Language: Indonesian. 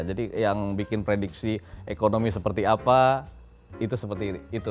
jadi yang bikin prediksi ekonomi seperti apa itu seperti itu